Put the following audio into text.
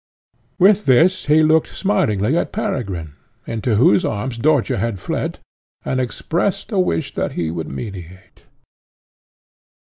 With this he looked smilingly at Peregrine, into whose arms Dörtje had fled, and expressed a wish that he would mediate.